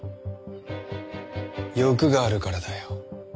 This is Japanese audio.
欲があるからだよ。